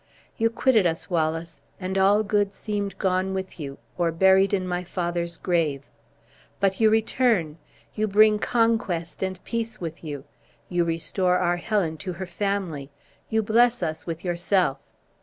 You quitted us, Wallace, and all good seemed gone with you, or buried in my father's grave. But you return! You bring conquest and peace with you, you restore our Helen to her family, you bless us with yourself!